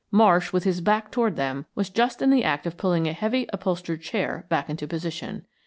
Marsh, with his back toward them, was just in the act of pulling a heavy, upholstered chair back into position.